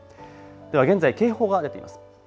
では現在、警報が出ています。